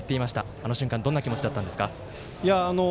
あの瞬間どんな気持ちだったんですか？